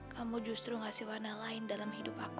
kamu justru ngasih warna lain dalam hidup aku